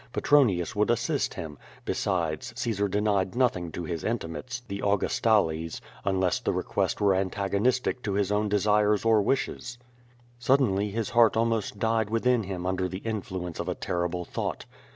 Petronius would assist him; besides, Caesar denied nothing to his intimates, the Augustales, unless the request were antag onistic to his own desires or wishes. Suddenly his heart almost died within him under the influ ence of a terrible thought.